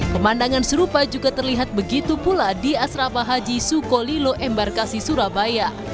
pemandangan serupa juga terlihat begitu pula di asrama haji sukolilo embarkasi surabaya